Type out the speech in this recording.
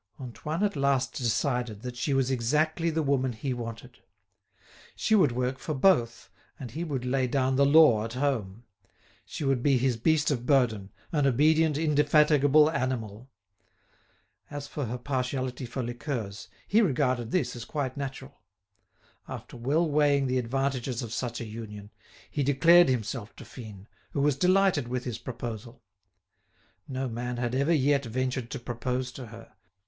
Antoine at last decided that she was exactly the woman he wanted. She would work for both and he would lay down the law at home. She would be his beast of burden, an obedient, indefatigable animal. As for her partiality for liqueurs, he regarded this as quite natural. After well weighing the advantages of such an union, he declared himself to Fine, who was delighted with his proposal. No man had ever yet ventured to propose to her.